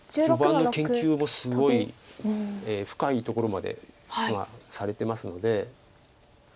序盤の研究もすごい深いところまでされてますので。